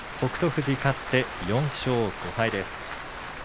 富士は勝って４勝５敗です。